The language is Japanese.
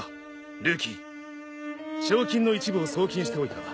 ルーキー」「賞金の一部を送金しておいた」